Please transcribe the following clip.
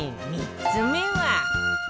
３つ目は